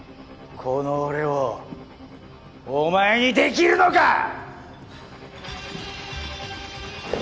この俺をお前にできるのか！